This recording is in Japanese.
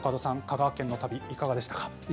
香川県の旅いかがでしたか？